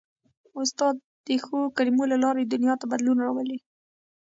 استاد د ښو کلمو له لارې دنیا ته بدلون راولي.